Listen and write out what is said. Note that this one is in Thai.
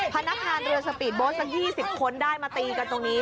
พนักงานเรือสปีดโบสต์สัก๒๐คนได้มาตีกันตรงนี้